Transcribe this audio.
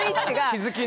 気付きね。